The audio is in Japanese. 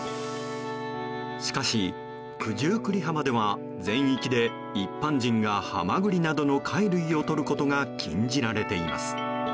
しかし、九十九里浜では全域で一般人がハマグリなどの貝類をとることが禁じられています。